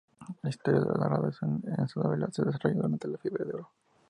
La historia narrada en esta novela se desarrolla durante la Fiebre del Oro.